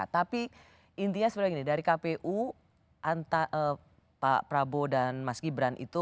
tapi intinya sebenarnya gini dari kpu pak prabowo dan mas gibran itu